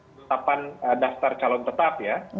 setelah penelitian daftar calon tetap ya